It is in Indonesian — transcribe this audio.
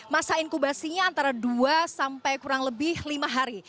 masa inkubasinya antara dua sampai kurang lebih lima hari